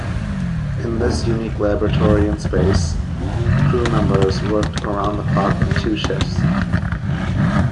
In this unique laboratory in space, crew members worked around-the-clock in two shifts.